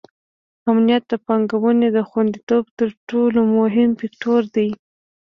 امنیت د پانګونې د خونديتوب تر ټولو مهم فکتور دی.